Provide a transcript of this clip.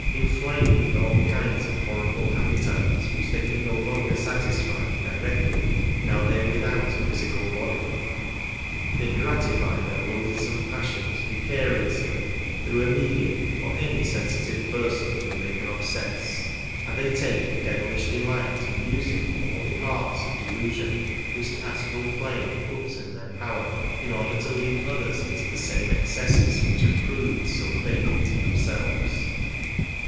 Inflamed with all kinds of horrible appetites which they can no longer satisfy directly now they are without a physical body, they gratify their loathsome passions vicariously through a medium or any sensitive person whom they can obsess ; and they take a devilish delight in using all the arts of delusion which the astral plane puts in their power in order to lead others into the same excesses which have proved so fatal to themselves.